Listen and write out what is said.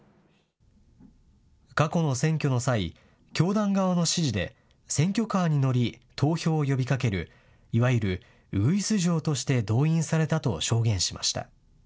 過去の選挙の際、教団側の指示で、選挙カーに乗り投票を呼びかける、いわゆるウグイス嬢として動員されたと証言しました。